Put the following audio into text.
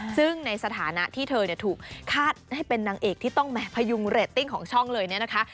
ซึ่งในสถานะที่เธอถูกคาดให้เป็นนางเอกที่ต้องพยุงเรตติ้งของช่องเลยเนี่ยนะคะ